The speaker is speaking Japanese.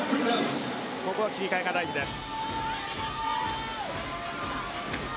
ここは切り替えが大事です。